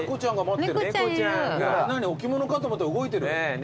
何？置物かと思ったら動いてる。